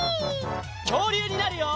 きょうりゅうになるよ！